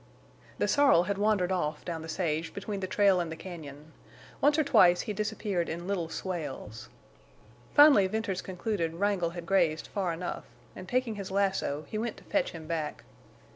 The sorrel had wandered off down the sage between the trail and the cañon. Once or twice he disappeared in little swales. Finally Venters concluded Wrangle had grazed far enough, and, taking his lasso, he went to fetch him back.